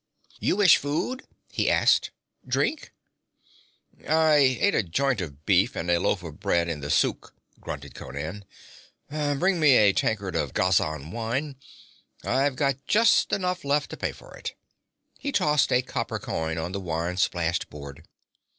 'You wish food?' he asked. 'Drink?' 'I ate a joint of beef and a loaf of bread in the suk,' grunted Conan. 'Bring me a tankard of Ghazan wine I've got just enough left to pay for it.' He tossed a copper coin on the wine splashed board.